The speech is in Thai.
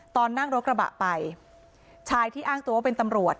ตอนนั่งรถกระบะไปชายที่อ้างตัวว่าเป็นตำรวจ